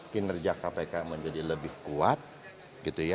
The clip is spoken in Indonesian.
kinerja kpk menjadi lebih kuat gitu ya